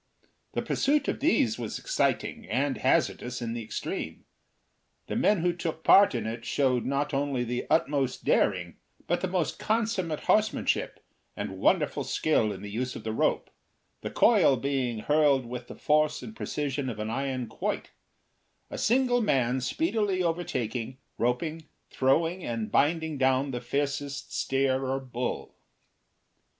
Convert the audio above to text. The pursuit of these was exciting and hazardous in the extreme. The men who took part in it showed not only the utmost daring but the most consummate horsemanship and wonderful skill in the use of the rope, the coil being hurled with the force and precision of an iron quoit; a single man speedily overtaking, roping, throwing, and binding down the fiercest steer or bull.